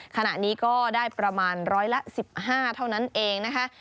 ขณะนี้ก็ได้ประมาณร้อยละ๑๕เท่านั้นเองนะคะ